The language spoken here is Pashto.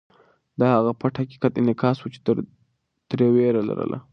دا د هغه پټ حقیقت انعکاس و چې ده ترې وېره لرله.